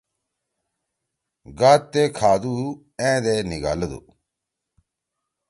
گاتے کھا دو أیں دے نیگھلَدو؟